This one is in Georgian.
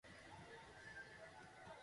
ბაბა იაგა ხშირად უარყოფითი პერსონაჟია.